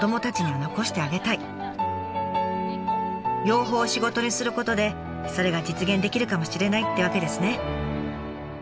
養蜂を仕事にすることでそれが実現できるかもしれないってわけですね。